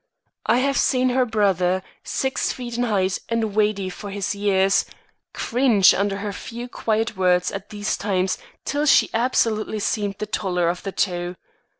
I have seen her brother, six feet in height and weighty for his years, cringe under her few quiet words at these times till she absolutely seemed the taller of the two.